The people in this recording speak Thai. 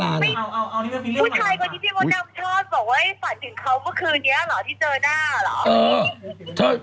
เออ